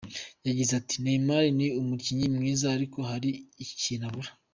Yagize ati “Neymar ni umukinnyi mwiza ariko hari ikintu abura.